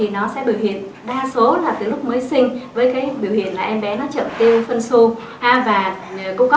nó sẽ biểu hiện đa số là từ lúc mới sinh với cái biểu hiện là em bé nó chậm tiêu phân xô và cũng có